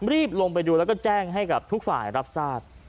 รีบลงไปดูแล้วก็แจ้งให้กับทุกฝ่ายรับทราบ